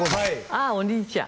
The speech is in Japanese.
ああお兄ちゃん